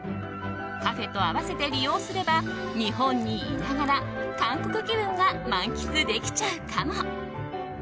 カフェと併せて利用すれば日本にいながら韓国気分が満喫できちゃうかも？